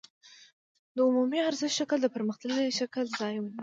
د عمومي ارزښت شکل د پرمختللي شکل ځای ونیو